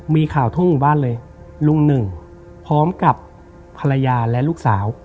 มีข่าวทั่วหมู่บ้านเลยลุงหนึ่งพร้อมกับภรรยาและลูกสาว